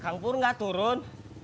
kang pur gak turun